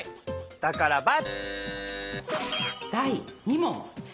だから×！